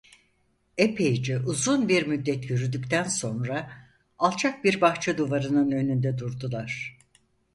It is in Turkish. Epeyce uzun bir müddet yürüdükten sonra alçak bir bahçe duvarının önünde durdular.